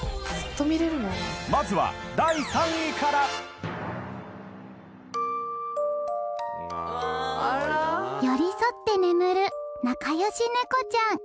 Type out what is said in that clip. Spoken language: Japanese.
まずは第３位から寄り添って眠る仲良しネコちゃん